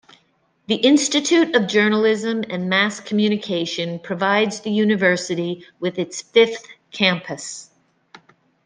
The Institute of Journalism and Mass Communication provides the university with its fifth campus.